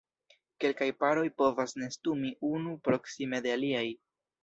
Kelkaj paroj povas nestumi unu proksime de aliaj.